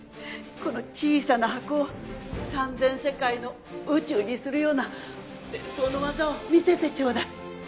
この小さな箱を三千世界の宇宙にするような伝統の技を見せてちょうだい。